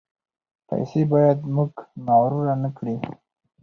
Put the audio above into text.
پیسې باید موږ مغرور نکړي.